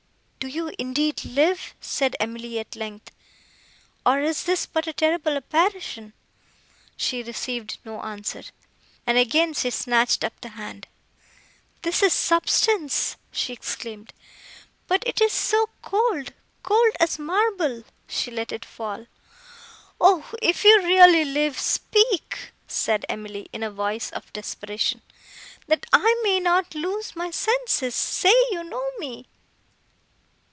"Do you indeed live," said Emily, at length, "or is this but a terrible apparition?" She received no answer, and again she snatched up the hand. "This is substance," she exclaimed, "but it is cold—cold as marble!" She let it fall. "O, if you really live, speak!" said Emily, in a voice of desperation, "that I may not lose my senses—say you know me!"